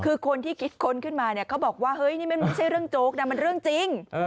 คือคนที่คิดค้นขึ้นมาเนี่ยเขาบอกว่าเฮ้ยนี่มันไม่ใช่เรื่องโจ๊กนะมันเรื่องจริง